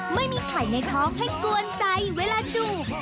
ไม่มีไข่ในท้องให้กวนใจเวลาจูบ